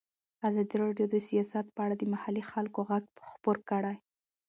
ازادي راډیو د سیاست په اړه د محلي خلکو غږ خپور کړی.